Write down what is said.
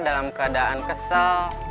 dalam keadaan kesel